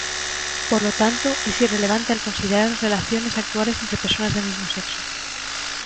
Por lo tanto, es irrelevante al considerar relaciones actuales entre personas del mismo sexo.